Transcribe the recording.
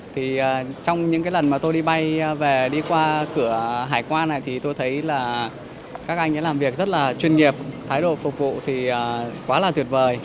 trong những lần tôi đi bay đi qua cửa hải quan này tôi thấy các anh ấy làm việc rất chuyên nghiệp thái độ phục vụ quá tuyệt vời